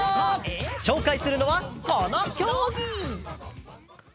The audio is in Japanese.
紹介するのはこの競技！